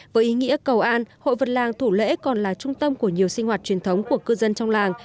với ý nghĩa cầu an hội vật làng thủ lễ còn là trung tâm của nhiều sinh hoạt truyền thống của cư dân trong làng